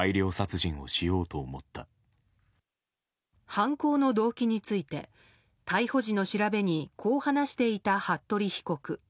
犯行の動機について逮捕時の調べに対しこう話していた服部被告。